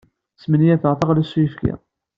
Smenyafeɣ taɣlust s uyefki.